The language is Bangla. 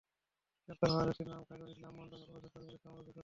গ্রেপ্তার হওয়া ব্যক্তির নাম খাইরুল ইসলাম মণ্ডল ওরফে শরিফুল ইসলাম ওরফে শরিফুল।